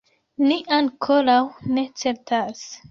Ni ankoraŭ ne certas.